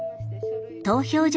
投票所